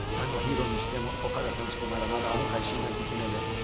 ＨＩＲＯにしても岡田さんにしてもまだまだ恩返ししなきゃいけないから。